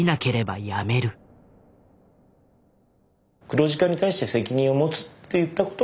黒字化に対して責任を持つって言ったことがですね